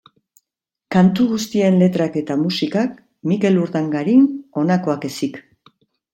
Kantu guztien letrak eta musikak: Mikel Urdangarin, honakoak ezik.